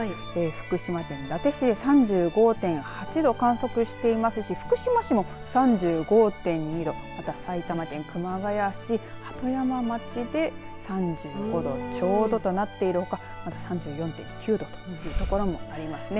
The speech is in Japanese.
福島県伊達市で３５．８度観測していますし福島市も３５．２度また、埼玉県熊谷市鳩山町で３５度ちょうどとなっているほ、また３４．９度という所もありますね。